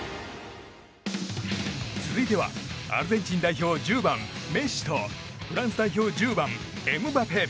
続いてはアルゼンチン代表１０番、メッシとフランス代表１０番、エムバペ。